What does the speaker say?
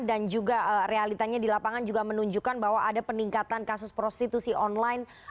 dan juga realitanya di lapangan juga menunjukkan bahwa ada peningkatan kasus prostitusi online